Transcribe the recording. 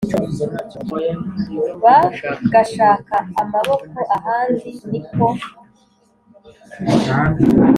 bagashaka amaboko ahandi Ni ko